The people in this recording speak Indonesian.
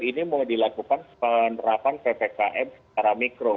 ini mau dilakukan penerapan ppkm secara mikro